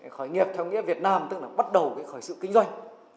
khởi nghiệp theo nghĩa việt nam tức là bắt đầu cái khởi sự kinh doanh